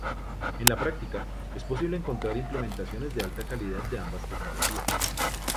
En la práctica, es posible encontrar implementaciones de alta calidad de ambas tecnologías.